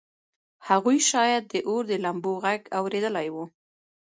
هغوی شاید د اور د لمبو غږ اورېدلی و